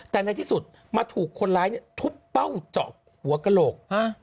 แต่ในที่สุดมาถูกคนร้ายทุบเป้าเจาะหัวกระโหลก